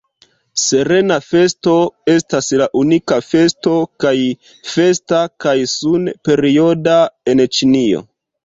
Serena Festo estas la unika festo kaj festa kaj sun-perioda en Ĉinio.